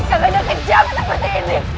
apa kita menjaga kandung seperti ini